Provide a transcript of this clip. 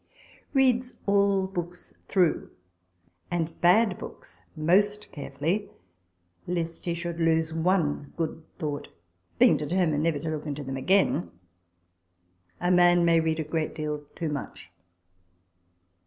* Reads all books through ; and bad books most carefully, lest he should lose one good thought, being determined never to look into them again. A man may read a great deal too much.